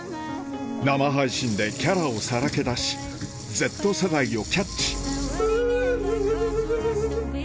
生配信でキャラをさらけ出しＺ世代をキャッチうぅ。